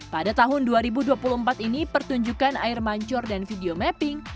pada tahun dua ribu dua puluh empat ini pertunjukan air mancur dan video mapping